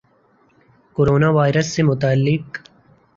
corona virus سے متعلق